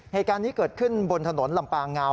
เหตุการณ์นี้เกิดขึ้นบนถนนลำปางงาว